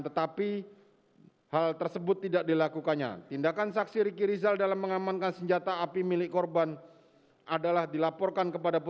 terdapat perbuatan permulaan yang diawali dengan saksi riki rizal wibowo mengamankan senjata api hs milik korban nofriansah